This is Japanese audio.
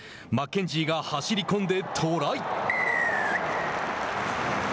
マッケンジーが走り込んでトライ。